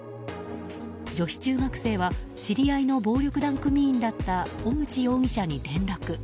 女子中学生は知り合いの暴力団組員だった小口容疑者に連絡。